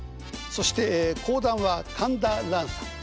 そして講談は神田蘭さん。